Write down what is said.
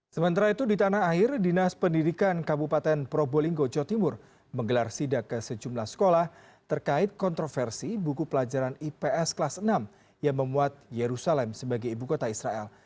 sementara itu di tanah air dinas pendidikan kabupaten probolinggo jawa timur menggelar sidak ke sejumlah sekolah terkait kontroversi buku pelajaran ips kelas enam yang memuat yerusalem sebagai ibu kota israel